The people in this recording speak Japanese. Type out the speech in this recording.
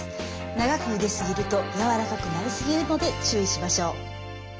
長くゆですぎるとやわらかくなりすぎるので注意しましょう。